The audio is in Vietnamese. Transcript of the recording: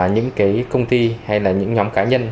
những cái công ty hay là những nhóm cá nhân